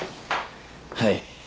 はい。